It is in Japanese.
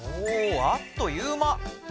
おあっという間。